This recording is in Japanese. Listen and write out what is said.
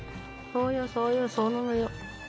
そうよそうよそうなのよ。